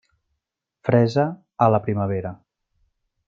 Fresa a la primavera.